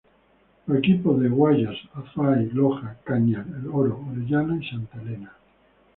Los equipos de Guayas, Azuay, Loja, Cañar, El Oro, Orellana y Santa Elena.